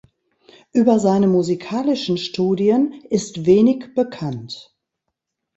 Über seine musikalischen Studien ist wenig bekannt.